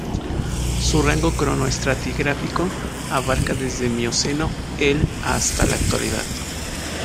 Su rango cronoestratigráfico abarca desde Mioceno el hasta la Actualidad.